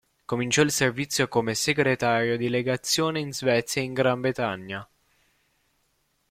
Cominciò il servizio come segretario di legazione in Svezia ed in Gran Bretagna.